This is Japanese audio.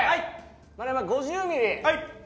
丸山５０ミリはい！